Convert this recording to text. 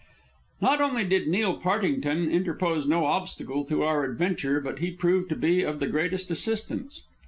Not only did Neil Partington interpose no obstacle to our adventure, but he proved to be of the greatest assistance.